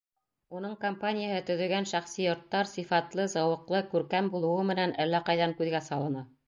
Уның компанияһы төҙөгән шәхси йорттар сифатлы, зауыҡлы, күркәм булыуы менән әллә ҡайҙан күҙгә салына.